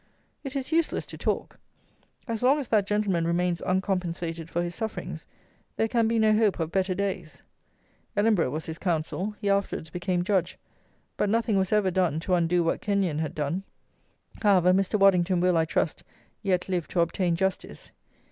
It is useless to talk: as long as that gentleman remains uncompensated for his sufferings there can be no hope of better days. Ellenborough was his counsel; he afterwards became Judge; but nothing was ever done to undo what Kenyon had done. However, Mr. Waddington will, I trust, yet live to obtain justice.